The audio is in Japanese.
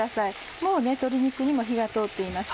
もう鶏肉にも火が通っていますよ。